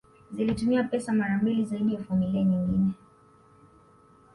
Zilitumia pesa mara mbili zaidi ya familia nyingine